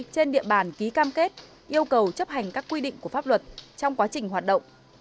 trên địa bàn ký cam kết yêu cầu chấp hành các quy định của pháp luật trong quá trình hoạt động